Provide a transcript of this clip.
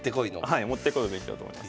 はい持ってくるべきだと思います。